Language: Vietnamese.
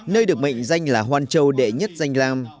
nơi được mệnh danh là hoàn châu đệ nhất danh làm